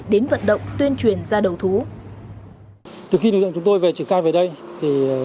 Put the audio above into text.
đến vận động tuyên truyền ra đầu thú